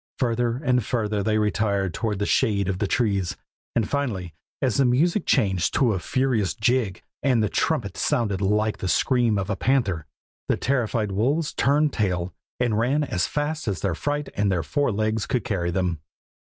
Further and further they retired toward the shade of the trees, and finally, as the music changed to a furious jig, and the trumpet sounded out like the scream of a panther, the terrified wolves turned tail and ran as fast as their fright and their four legs could carry them.